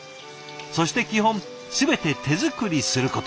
そして基本全て手作りすること。